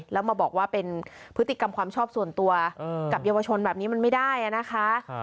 แล้วมาบอกว่าเป็นพฤติกรรมความชอบส่วนตัวกับเยาวชนแบบนี้มันไม่ได้นะคะ